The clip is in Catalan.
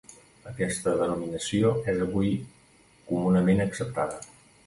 Aquesta denominació és avui comunament acceptada.